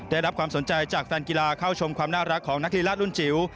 ได้รับความสนใจจากแฟนกีฬาเข้าชมความน่ารักของนักกีฬารุ่นจิ๋ว